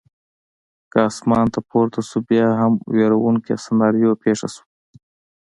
کې اسمان ته پورته شوه، بیا هم وېروونکې سناریو پېښه شوه.